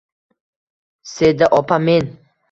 Seda opa, men…